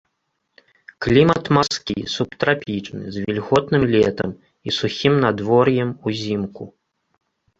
Клімат марскі субтрапічны з вільготным летам і сухім надвор'ем узімку.